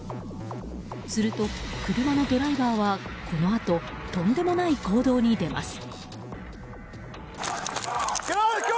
すると、車のドライバーはこのあととんでもない行動に出ます。